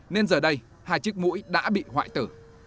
nên giờ đây hai chiếc mũi đã bị hoại tử